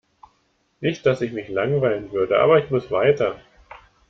Nicht dass ich mich langweilen würde, aber ich muss weiter.